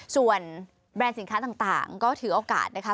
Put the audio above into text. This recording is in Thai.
ส่วนแบรนด์สินค้าต่างก็ถือโอกาสนะคะ